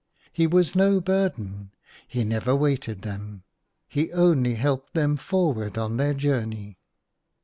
He was no burden — he never weighted them ; he only helped them forward on their journey.